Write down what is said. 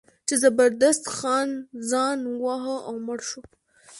چې زبردست خان ځان وواهه او مړ شو.